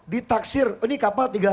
ditaksir ini kapal tiga